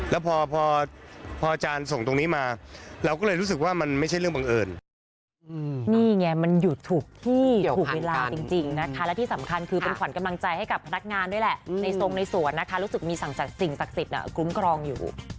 แล้วพอพออาจารย์ส่งตรงนี้มาเราก็เลยรู้สึกว่ามันไม่ใช่เรื่องบังเอิญ